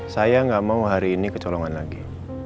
saya nggak mau hari ini kecolongan lagi